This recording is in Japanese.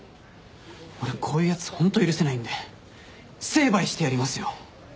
俺こういうやつホント許せないんで成敗してやりますよ。